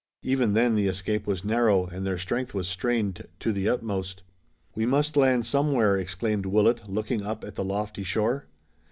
Even then the escape was narrow, and their strength was strained to the utmost. "We must land somewhere!" exclaimed Willet, looking up at the lofty shore.